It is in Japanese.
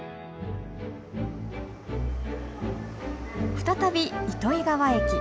再び糸魚川駅。